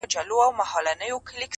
o سړي راوستی ښکاري تر خپله کوره,